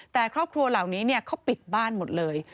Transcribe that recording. แต่ครอบครัวเหล่านี้เขาปิดบ้านหมดเลย